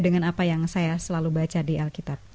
dengan apa yang saya selalu baca di alkitab